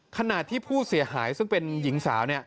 ขณะที่ผู้เสียหายซึ่งเป็นหญิงสาว